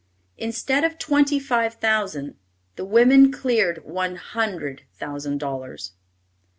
Instead of twenty five thousand, the women cleared one hundred thousand dollars.